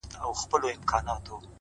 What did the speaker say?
او خبرو باندي سر سو،